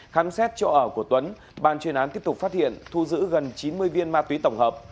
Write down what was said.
khám xét chỗ ở của tuấn ban chuyên án tiếp tục phát hiện thu giữ gần chín mươi viên ma túy tổng hợp